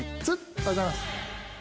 おはようございます。